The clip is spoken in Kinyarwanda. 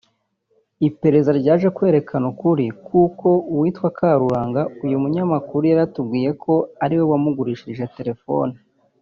Iperereza ryaje kwerekana ukuri kuko uwitwa Karuranga uyu munyamakuru yari yatubwiye ko ariwe wamugurishije terefone